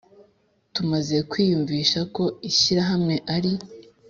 Tumaze kwiyumvisha ko ishyirahamwe ari